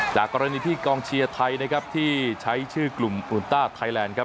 จากกรณีที่กองเชียร์ไทยนะครับที่ใช้ชื่อกลุ่มอุนต้าไทยแลนด์ครับ